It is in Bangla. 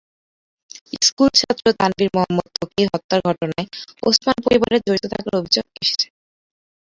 স্কুলছাত্র তানভীর মুহাম্মদ ত্বকী হত্যার ঘটনায় ওসমান পরিবারের জড়িত থাকার অভিযোগ এসেছে।